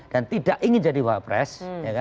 dan tidak ingin jadi wabres